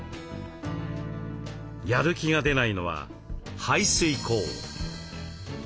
やる気が出ないのは排水口。